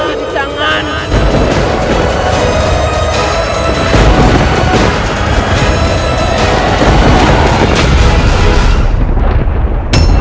aku akan menangkapmu